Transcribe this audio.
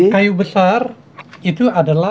nah ini dua ribu dua puluh empat gimana